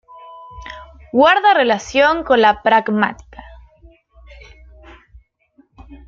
Guarda relación con la pragmática.